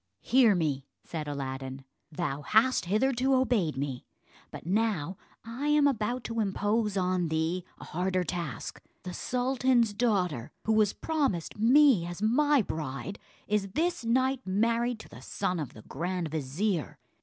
"Hear me," said Aladdin; "thou hast hitherto obeyed me, but now I am about to impose on thee a harder task. The sultan's daughter, who was promised me as my bride, is this night married to the son of the grand vizier.